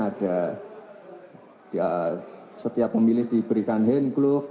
ada setiap pemilih diberikan handcluff